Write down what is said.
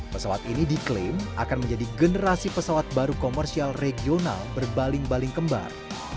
pesawat ini diklaim akan menjadi generasi pesawat baru komersial regional berbaling baling kembar